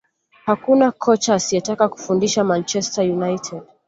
Hakuna kocha asiyetaka kufundisha Manchester United